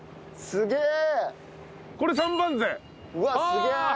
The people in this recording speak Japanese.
すげえ。